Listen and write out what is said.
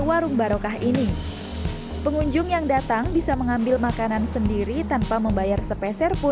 warung barokah ini pengunjung yang datang bisa mengambil makanan sendiri tanpa membayar sepeser